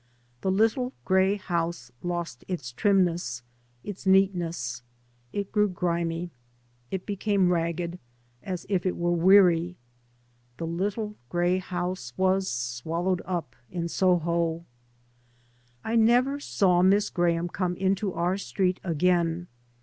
The little grey house lost its trimness, its neatness. It grew grimy. It became ra^ed as if it were weary. The little grey house was swallowed up in Soho. I never saw Miss Graham come into our street again.